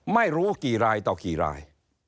ไม่รู้กี่รายต่อกี่ราย